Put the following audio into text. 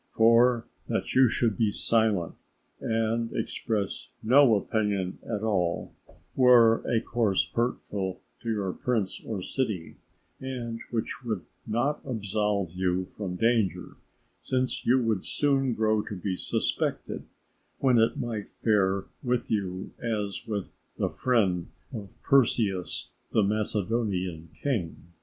For that you should be silent and express no opinion at all, were a course hurtful for your prince or city, and which would not absolve you from danger, since you would soon grow to be suspected, when it might fare with you as with the friend of Perseus the Macedonian king.